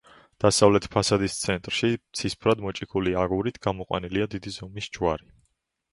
დასავლეთ ფასადის ცენტრში ცისფრად მოჭიქული აგურით გამოყვანილია დიდი ზომის ჯვარი.